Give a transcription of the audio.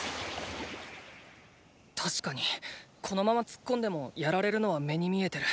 確かにこのまま突っ込んでもやられるのは目に見えてる。